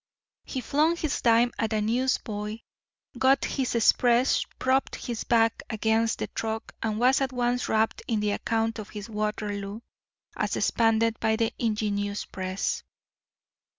He flung his dime at a newsboy, got his Express, propped his back against the truck, and was at once rapt in the account of his Waterloo, as expanded by the ingenious press.